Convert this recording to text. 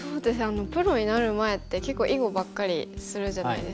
プロになる前って結構囲碁ばっかりするじゃないですか。